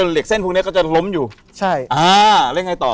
เหล็กเส้นพวกเนี้ยก็จะล้มอยู่ใช่อ่าแล้วยังไงต่อ